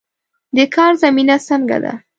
د کار زمینه څنګه ده؟